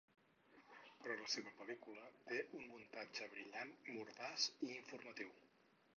Però la seva pel.lícula té un muntatge brillant, mordaç i informatiu.